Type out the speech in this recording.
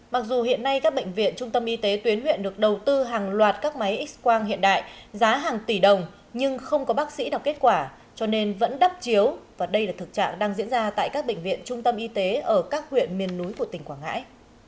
mặc dù hiện nay các bệnh viện trung tâm y tế tuyến huyện được đầu tư hàng loạt các máy x quang hiện đại giá hàng tỷ đồng nhưng không có bác sĩ đọc kết quả cho nên vẫn đắp chiếu và đây là thực trạng đang diễn ra tại các bệnh viện trung tâm y tế ở các huyện miền núi của tỉnh quảng ngãi